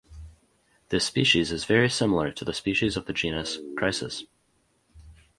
This species is very similar to the species of the genus Chrysis.